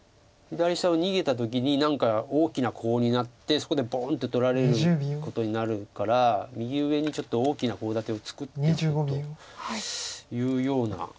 左下を逃げた時に何か大きなコウになってそこでボンッと取られることになるから右上にちょっと大きなコウ立てを作っておくというような。